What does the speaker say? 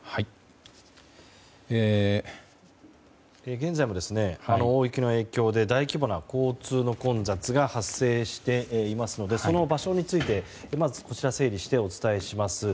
現在も大雪の影響で大規模な交通の混雑が発生していますのでその場所についてまず整理してお伝えします。